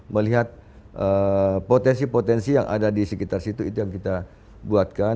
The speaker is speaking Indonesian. melihat potensi potensi yang ada di sekitar situ itu yang kita buatkan